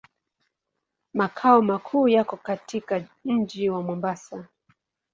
Makao makuu yako katika mji wa Mombasa.